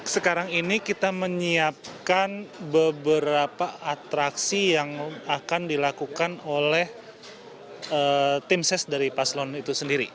sekarang ini kita menyiapkan beberapa atraksi yang akan dilakukan oleh tim ses dari paslon itu sendiri